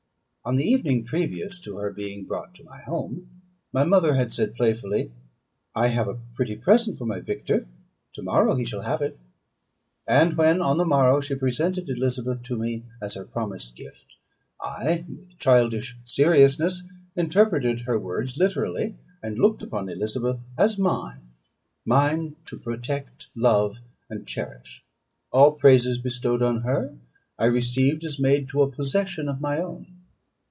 On the evening previous to her being brought to my home, my mother had said playfully, "I have a pretty present for my Victor to morrow he shall have it." And when, on the morrow, she presented Elizabeth to me as her promised gift, I, with childish seriousness, interpreted her words literally, and looked upon Elizabeth as mine mine to protect, love, and cherish. All praises bestowed on her, I received as made to a possession of my own.